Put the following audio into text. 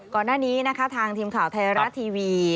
ก่อนหน้านี้ทางทีมข่าวไทยรัตน์ทีวี